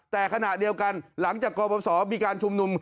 แต่ขณะเดียวกันหลังจากกรปศมีการชุมนุม